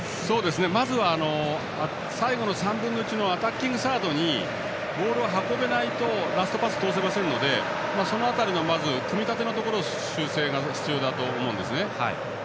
まずは最後の３分の１のアタッキングサードにボールを運べないとラストパスを通せないのでその辺りの組み立てのところの修正が必要だと思うんですね。